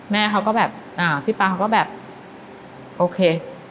แม่เขาก็แบบอ่าพี่ป๊าเขาก็แบบโอเค